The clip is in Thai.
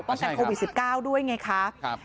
ป้องกันโควิด๑๙ด้วยไงครับ